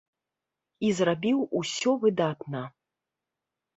І зрабіў усё выдатна.